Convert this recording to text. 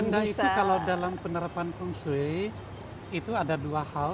nah itu kalau dalam penerapan feng shui itu ada dua hal